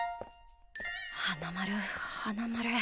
花丸花丸。